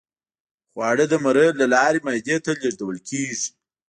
خواړه د مرۍ له لارې معدې ته لیږدول کیږي